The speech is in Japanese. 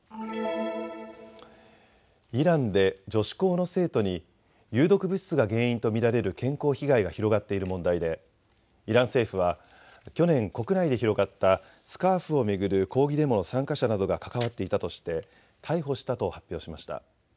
イランで女子校の生徒に有毒物質が原因と見られる健康被害が広がっている問題でイラン政府は去年、国内で広がったスカーフを巡る抗議デモの参加者などが関わっていたとして逮捕したと発表しました。